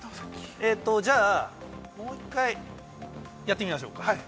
じゃあ、もう一回、やってみましょうか。